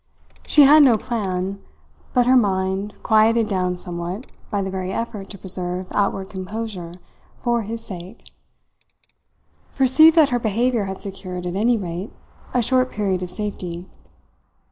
She had no plan; but her mind, quieted down somewhat by the very effort to preserve outward composure for his sake, perceived that her behaviour had secured, at any rate, a short period of safety.